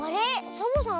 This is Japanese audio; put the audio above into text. サボさん